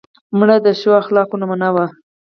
مړه د ښو اخلاقو نمونه وه